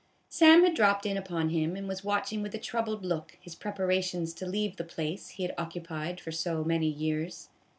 Sam had dropped in upon him, and was watching with a troubled look his preparations to leave the place he had occupied for so many years.